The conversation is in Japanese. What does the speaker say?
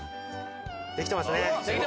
できてますね。